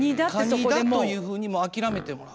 蟹だというふうにもう諦めてもらう。